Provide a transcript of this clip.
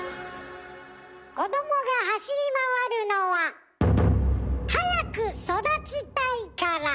子どもが走り回るのは早く育ちたいから。